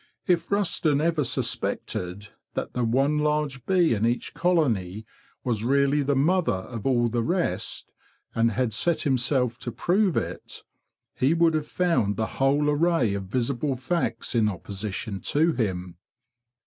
If Rusden ever suspected that the one large bee in each colony was really the mother of all the rest, and had set himself to prove it, he would have found the whole array of visible facts in opposition to him.